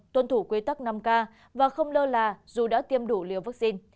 tuân thủ quy tắc năm k và không lơ là dù đã tiêm đủ liều vaccine